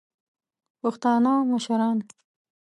پښتانه مشران